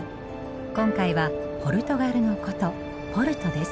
今回はポルトガルの古都ポルトです。